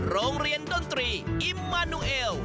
โรงเรียนดนตรีอิมมานูเอล